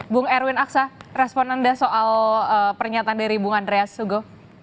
bung erwin aksa respon anda soal pernyataan dari bung andreas sugo